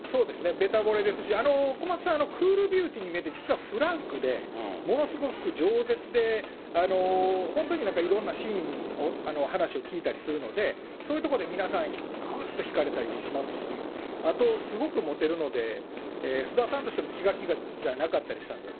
べたぼれですし、小松さん、クールビューティーに見えて、実はフランクで、ものすごくじょう舌で、本当にいろんな親身に話を聞いたりするので、そういうところで皆さん、ぐぐっと引かれたりしますし、あとすごくもてるので、菅田さんとしても気が気じゃなかったりしたんですね。